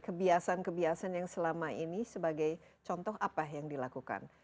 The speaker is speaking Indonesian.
kebiasaan kebiasaan yang selama ini sebagai contoh apa yang dilakukan